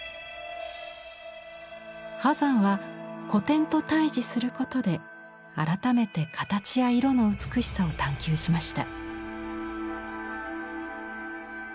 波山は古典と対じすることで改めて形や色の美しさを探求しました。